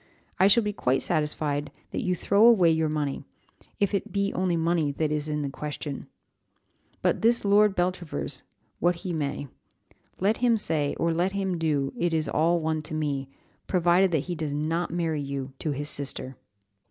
I shall be quite satisfied that you throw away your money, if it be only money that is in the question; be this Lord Beltravers what he may. Let him say, 'or let them do, it is all one to me,' provided that he does not marry you to his sister."